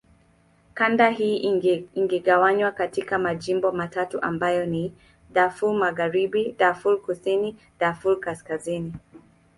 Kanda hii imegawanywa katika majimbo matatu ambayo ni: Darfur Magharibi, Darfur Kusini, Darfur Kaskazini.